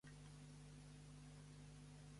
Se'n pot jugar en català o castellà.